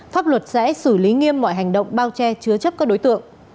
pháp luật sẽ xử lý nghiêm mọi hành động bao che chứa chấp các đối tượng